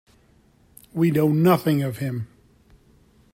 We know nothing of him.